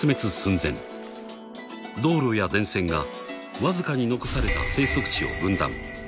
［道路や電線がわずかに残された生息地を分断］